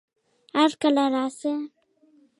هرکله راشئ!